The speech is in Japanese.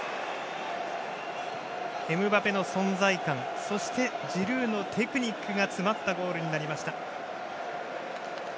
エムバペの存在感そして、ジルーのテクニックが詰まったゴールになりました。